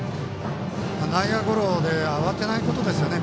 内野ゴロで慌てないことですね